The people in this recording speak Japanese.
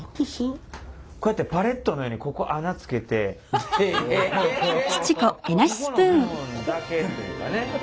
こうやってパレットのようにここここの部分だけというかね。